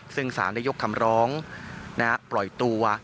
ซึ่งสารยกคำร้องนะครับปล่อยตัว